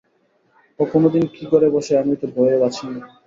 ও কোনদিন কী করে বসে আমি তো ভয়ে বাঁচি নে।